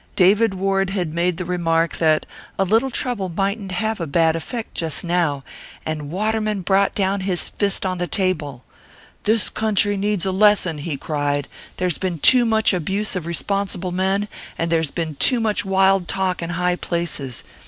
David Ward had made the remark that 'A little trouble mightn't have a bad effect just now.' And Waterman brought down his fist on the table. 'This country needs a lesson,' he cried. 'There's been too much abuse of responsible men, and there's been too much wild talk in high places.